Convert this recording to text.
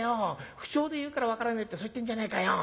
符丁で言うから分からねえってそう言ってんじゃねえかよ。